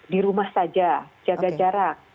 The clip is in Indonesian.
di rumah saja jaga jarak